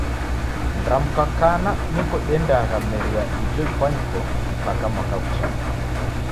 Mramko kana niko diendaghameria ijo ipwanyiko mpaka mwaka ghuchaa.